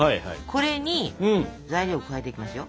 これに材料を加えていきますよ。